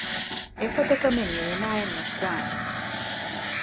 އެފަދަ ކަމެއް އޭނާއެއް ނުކުރާނެ